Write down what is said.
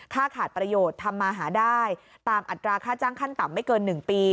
ขาดประโยชน์ทำมาหาได้ตามอัตราค่าจ้างขั้นต่ำไม่เกิน๑ปี